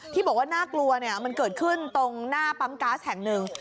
ที่บอกว่าน่ากลัวเนี่ยมันเกิดขึ้นตรงหน้าปั๊มก๊าซแห่งหนึ่ง